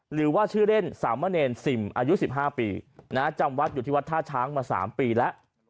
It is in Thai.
หรือว่าชื่อเล่นสามะเนรสิมอายุ๑๕ปีจำวัดอยู่ที่วัดท่าช้างมา๓ปีแล้ว